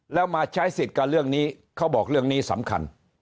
แล้วมาใช้สิทธิ์กับเรื่องนี้เขาบอกเรื่องนี้สำคัญ